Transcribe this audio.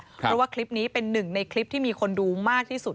เพราะว่าคลิปนี้เป็นหนึ่งในคลิปที่มีคนดูมากที่สุด